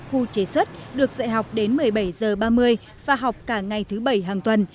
khu chế xuất được dạy học đến một mươi bảy h ba mươi và học cả ngày thứ bảy hàng tuần